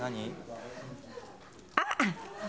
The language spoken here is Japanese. あっ！